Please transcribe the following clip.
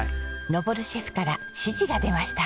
登シェフから指示が出ました！